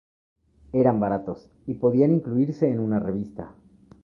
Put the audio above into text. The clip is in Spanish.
Eran baratos y podían incluirse en una revista.